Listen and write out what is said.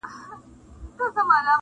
بهرني ځواکونه راپورونه جوړوي ډېر ژر,